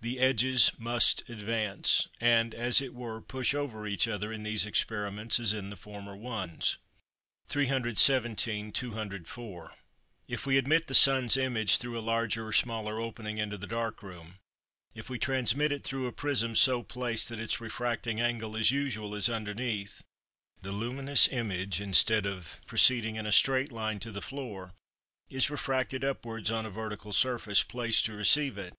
The edges must advance, and as it were push over each other in these experiments as in the former ones. 317 (204). If we admit the sun's image through a larger or smaller opening into the dark room, if we transmit it through a prism so placed that its refracting angle, as usual, is underneath; the luminous image, instead of proceeding in a straight line to the floor, is refracted upwards on a vertical surface placed to receive it.